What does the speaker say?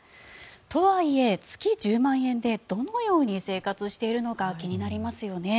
とはいえ、月１０万円でどのように生活しているのか気になりますよね。